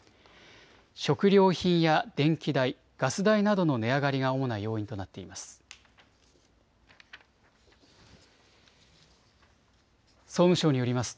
食料品や電気代、ガス代などの値上がりが主な要因となっています。